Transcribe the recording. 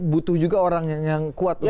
butuh juga orang yang kuat